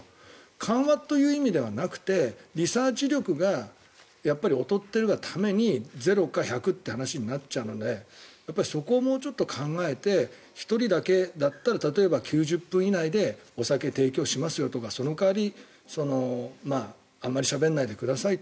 緩和という意味ではなくてリサーチ力が劣っているがために０か１００という話になっちゃうのでそこをもうちょっと考えて１人だけだったら例えば９０分以内でお酒を提供しますよとかその代わりあまりしゃべんないでくださいと。